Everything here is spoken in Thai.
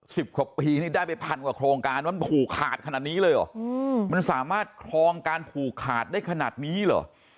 สิบกว่าปีนี่ได้ไปพันกว่าโครงการมันผูกขาดขนาดนี้เลยเหรออืมมันสามารถครองการผูกขาดได้ขนาดนี้เหรอ